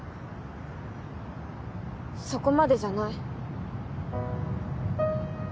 そこまでじゃない。